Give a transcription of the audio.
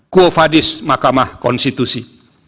kuofadis makamah konstitusi